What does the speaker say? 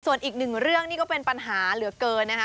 ส่วนอีกหนึ่งเรื่องนี่ก็เป็นปัญหาเหลือเกินนะคะ